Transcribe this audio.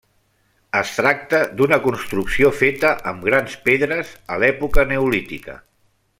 Es tracta d'una construcció feta amb grans pedres a l'època neolítica.